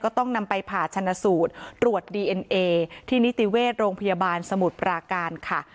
ต้องนำไปผ่าชนะสูตรตรวจดีเอ็นเอที่นิติเวชโรงพยาบาลสมุทรปราการค่ะ